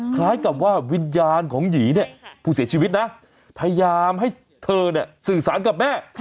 คล้ายกับว่าวิญญาณของหยีเนี่ยผู้เสียชีวิตนะพยายามให้เธอเนี่ยสื่อสารกับแม่